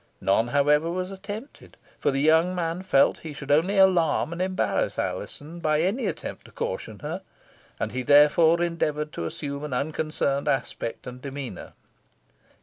None, however, was attempted, for the young man felt he should only alarm and embarrass Alizon by any attempt to caution her, and he therefore endeavoured to assume an unconcerned aspect and demeanour.